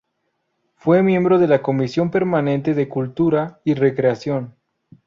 Fue miembro de la Comisión Permanente de Cultura y Recreación.